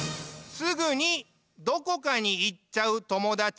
すぐにどこかにいっちゃうともだち？